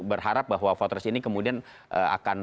berharap bahwa voters ini kemudian akan